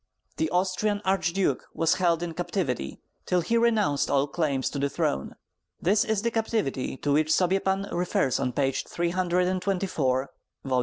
The Austrian Archduke was held in captivity till he renounced all claim to the throne. This is the captivity to which Sobiepan refers on page 324, Vol.